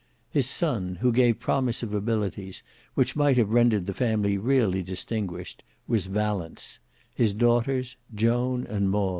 His son, who gave promise of abilities which might have rendered the family really distinguished, was Valence; his daughters, Joan and Maud.